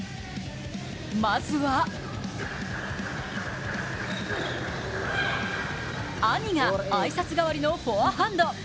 まずは兄が挨拶代わりのフォアハンド。